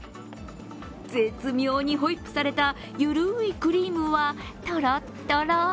絶妙にホイップされたゆるいクリームは、とろっとろ。